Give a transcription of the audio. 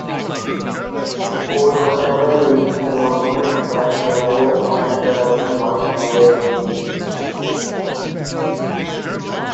For whatever reason Rockwoodz went belly up and the album was never released.